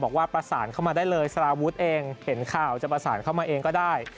บอกว่าประสานเข้ามาได้เลยสารวุฒิเองเห็นข่าวจะประสานเข้ามาเองก็ได้